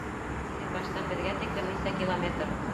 Иҙелбаштан беҙгә тиклем нисә километр!